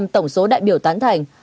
tổng số đại biểu tán thảnh